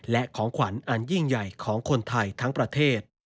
และของขวัญอันยิ่งใหญ่ของคนไทยทั้งประเทศ